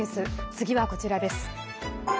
次はこちらです。